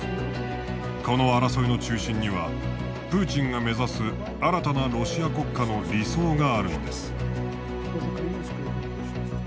この争いの中心にはプーチンが目指す新たなロシア国家の理想があるのです。